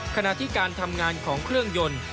ขณะที่การทำงานของเครื่องยนต์